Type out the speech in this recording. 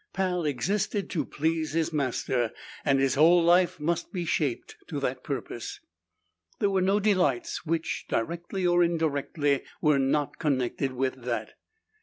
Pal existed to please his master and his whole life must be shaped to that purpose. There were no delights which, directly or indirectly, were not connected with that.